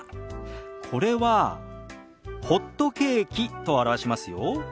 これは「ホットケーキ」と表しますよ。